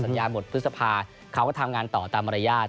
ยาหมดพฤษภาเขาก็ทำงานต่อตามมารยาท